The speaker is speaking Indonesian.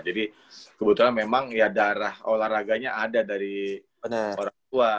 jadi kebetulan memang ya daerah olahraganya ada dari orang tua